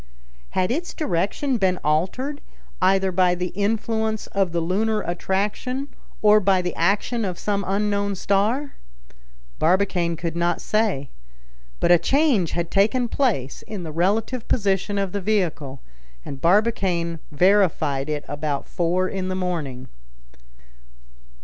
Had its direction been altered, either by the influence of the lunar attraction, or by the action of some unknown star? Barbicane could not say. But a change had taken place in the relative position of the vehicle; and Barbicane verified it about four in the morning.